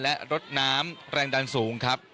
และรถน้ำแรงดันสูงครับ